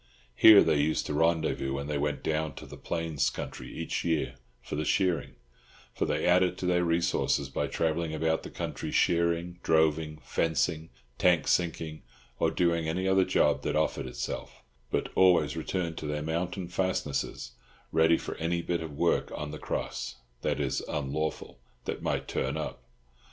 Here they used to rendezvous when they went away down to the plains country each year for the shearing; for they added to their resources by travelling about the country shearing, droving, fencing, tanksinking, or doing any other job that offered itself, but always returned to their mountain fastnesses ready for any bit of work "on the cross" (i.e., unlawful) that might turn up.